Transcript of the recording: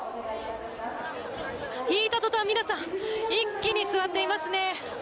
敷いた途端皆さん一気に座っていますね。